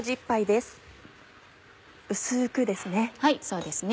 薄くですね。